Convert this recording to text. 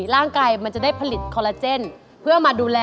ร่างกายมันจะได้ผลิตคอลลาเจนเพื่อมาดูแล